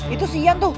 itu si ian tuh